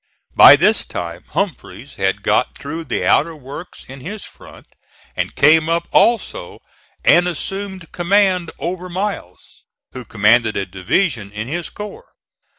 By this time Humphreys had got through the outer works in his front, and came up also and assumed command over Miles, who commanded a division in his corps.